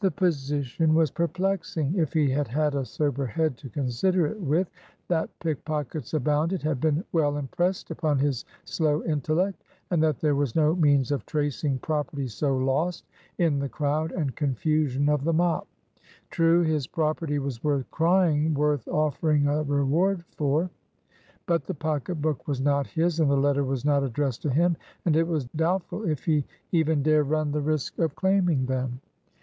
The position was perplexing, if he had had a sober head to consider it with. That pickpockets abounded had been well impressed upon his slow intellect, and that there was no means of tracing property so lost, in the crowd and confusion of the mop. True, his property was worth "crying," worth offering a reward for. But the pocket book was not his, and the letter was not addressed to him; and it was doubtful if he even dare run the risk of claiming them.